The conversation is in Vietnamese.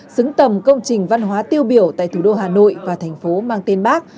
xứng tầm công trình văn hóa tiêu biểu tại thủ đô hà nội và thành phố mang tên bác